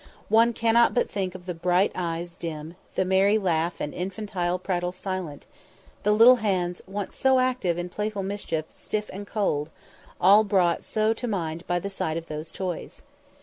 One cannot but think of the bright eyes dim, the merry laugh and infantine prattle silent, the little hands, once so active in playful mischief, stiff and cold; all brought so to mind by the sight of those toys.